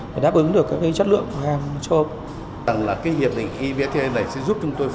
để đáp ứng được chất lượng hàng châu âu